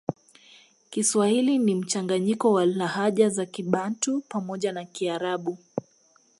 Kiswahili ni mchanganyiko wa lahaja za kibantu pamoja na kiarabu